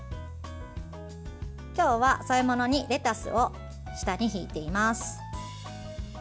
今日は添え物にレタスを下に敷いています。